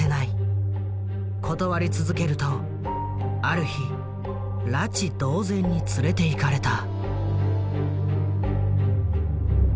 断り続けるとある日拉致同然に連れていかれた。